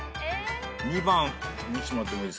２番見してもらってもいいですか。